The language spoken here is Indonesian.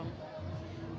masih segar diingatan kita